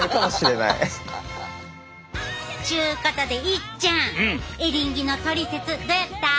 ちゅうことでいっちゃんエリンギのトリセツどうやった？